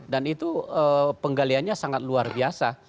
dan itu penggaliannya sangat luar biasa